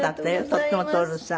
とっても徹さん。